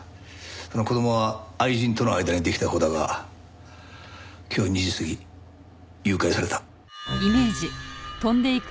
この子供は愛人との間にできた子だが今日２時過ぎ誘拐された。